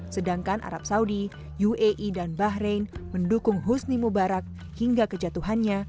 sedangkan arab saudi uae dan bahrain mendukung husni mubarak hingga kejatuhannya